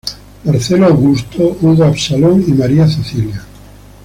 Marcelo Augusto, Hugo Absalón y María Cecilia.